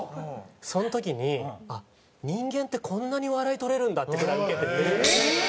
その時に人間ってこんなに笑いとれるんだってぐらいウケてて。